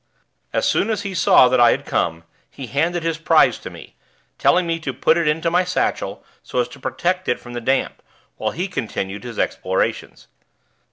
As soon as he saw that I had come, he handed his prize to me, telling me to put it into my satchel so as to protect it from the damp, while he continued his explorations.